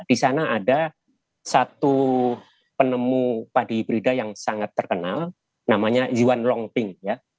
di sana ada satu penemu padi hibrida yang sangat terkenal namanya yuan long pink ya